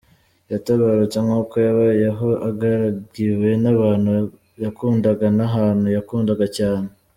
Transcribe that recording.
Yatabarutse nkuko yabayeho, agaragiwe n’abantu yakundaga, n’ahantu yakundaga cyane.”